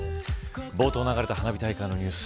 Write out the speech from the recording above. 冒頭流れた花火大会のニュース。